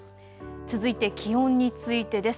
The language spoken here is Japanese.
続いて気温についてです。